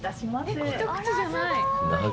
えっ一口じゃない！